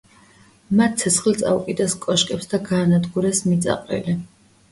მათ ცეცხლი წაუკიდეს კოშკებს და გაანადგურეს მიწაყრილი.